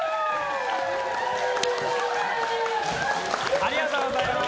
ありがとうございます。